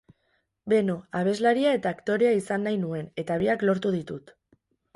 Beno, abeslaria eta aktorea izan nahi nuen, eta biak lortu ditut.